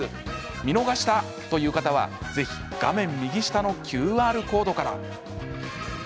見逃したという方はぜひ画面右下のＱＲコードから。